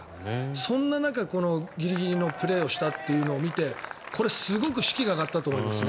そんな中、ギリギリのプレーをしたというのを見てこれ、すごく士気が上がったと思いますね。